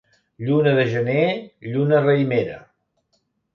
Lluna de gener, lluna raïmera.